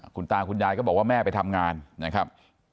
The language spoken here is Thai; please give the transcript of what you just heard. คุณตาคุณยายก็บอกว่าแม่ไปทำงานนะครับ